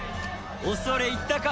恐れ入ったか！